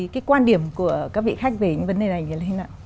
cái quan điểm của các vị khách về vấn đề này là thế nào